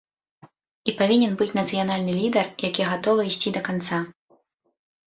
І павінен быць нацыянальны лідар, які гатовы ісці да канца.